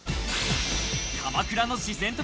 鎌倉の自然と